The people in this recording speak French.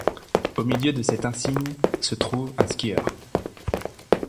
Au milieu de cet insigne se trouve un skieur.